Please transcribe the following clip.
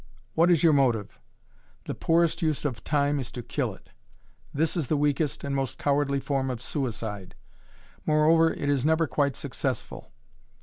What is your motive? The poorest use of time is to kill it. This is the weakest and most cowardly form of suicide. Moreover it is never quite successful.